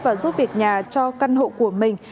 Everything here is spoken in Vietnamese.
và giúp việc nhà cho căn hộ của mình